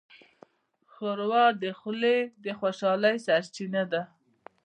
ښوروا د خولې د خوشحالۍ سرچینه ده.